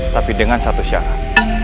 tapi dengan satu syarat